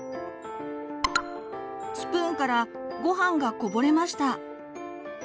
スプーンからごはんがこぼれました。